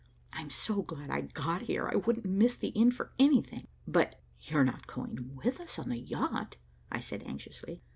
"I'm so glad I got here. I wouldn't miss the end for anything." "But you're not going with us on the yacht?" I said anxiously.